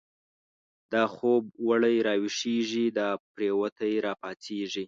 دا خوب وړی راويښږی، دا پريوتی را پا څيږی